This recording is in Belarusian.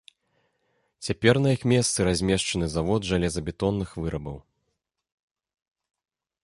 Цяпер на іх месцы размешчаны завод жалезабетонных вырабаў.